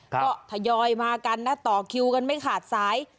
ก็ทยอยมากันนะต่อคิวกันไม่ขาดสาย